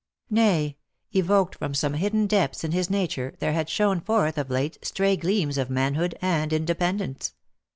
Nay, evoked from some hidden depths in his nature, there had shone forth of late stray gleams of manhood and independence.